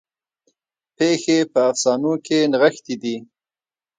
پیښې په افسانو کې نغښتې دي.